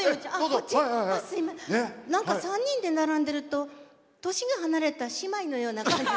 なんか３人で並んでると年が離れた姉妹のような感じ。